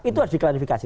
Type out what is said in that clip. itu harus diklanifikasi